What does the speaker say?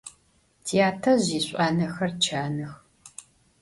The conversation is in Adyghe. Tyatezj yiş'uanexer çanıx.